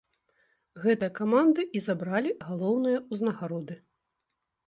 Гэтыя каманды і забралі галоўныя ўзнагароды.